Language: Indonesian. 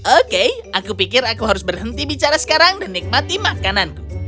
oke aku pikir aku harus berhenti bicara sekarang dan nikmati makananku